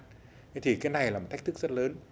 thế thì cái này là một thách thức rất lớn